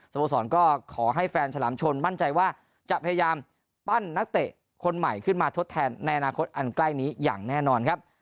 โมสรก็ขอให้แฟนฉลามชนมั่นใจว่าจะพยายามปั้นนักเตะคนใหม่ขึ้นมาทดแทนในอนาคตอันใกล้นี้อย่างแน่นอนครับ